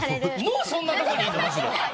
もうそんなとこにいんの？